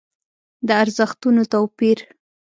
د ارزښتونو توپير.